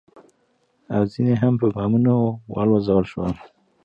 او ځنې هم په بمونو والوزول شول.